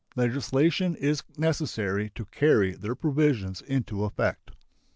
Legislation is necessary to carry their provisions into effect.